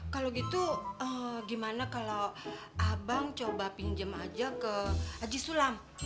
kalau gitu gimana kalau abang coba pinjam aja ke haji sulam